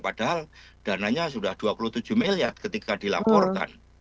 padahal dananya sudah dua puluh tujuh miliar ketika dilaporkan